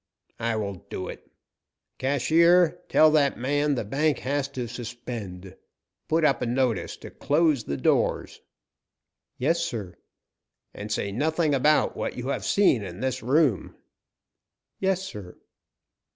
"I will do it. Cashier, tell that man the bank has to suspend. Put up a notice to close the doors." "Yes, sir!" "And say nothing about what you have seen in this room." "Yes, sir!"